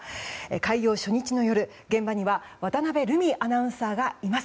開業初日の夜、現場には渡辺瑠海アナウンサーがいます。